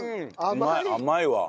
うまい甘いわ。